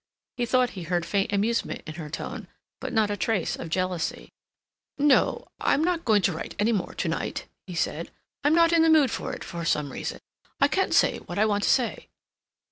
He thought he heard faint amusement in her tone, but not a trace of jealousy. "No, I'm not going to write any more to night," he said. "I'm not in the mood for it for some reason. I can't say what I want to say."